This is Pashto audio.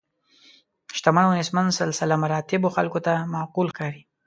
شتمن او نیستمن سلسله مراتبو خلکو ته معقول ښکاري.